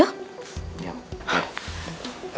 aku ganti baju dulu ya